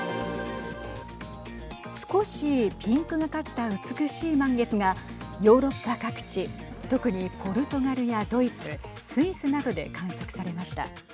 少しピンクがかった美しい満月がヨーロッパ各地特にポルトガルやドイツスイスなどで観測されました。